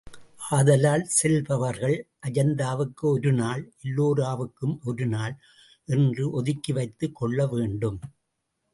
ஆதலால் செல்பவர்கள் அஜந்தாவுக்கு ஒரு நாள், எல்லோராவுக்கு ஒரு நாள் என்று ஒதுக்கி வைத்துக் கொள்ள வேண்டும்.